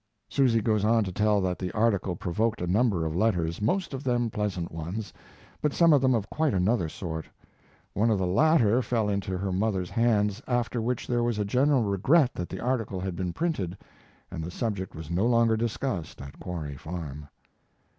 Susy goes on to tell that the article provoked a number of letters, most of them pleasant ones, but some of them of quite another sort. One of the latter fell into her mother's hands, after which there was general regret that the article had been printed, and the subject was no longer discussed at Quarry Farm.